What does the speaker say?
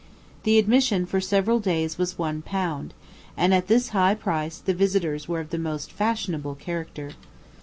The admission for several days was one pound, and at this high price the visitors were of the most fashionable character.